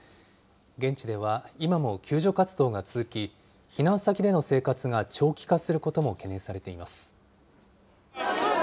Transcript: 現地では今も救助活動が続き、避難先での生活が長期化することも懸念されています。